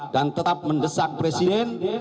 dan tetap mendesak presiden